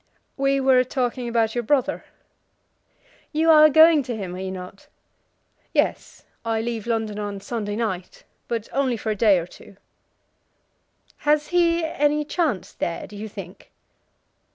"We were talking about your brother." "You are going to him, are you not?" "Yes; I leave London on Sunday night; but only for a day or two." "Has he any chance there, do you think?"